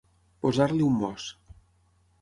Posar-li un mos.